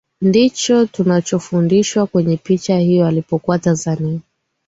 ndicho tunachofundishwa kwenye picha hiyo Alipokuwa Tanzania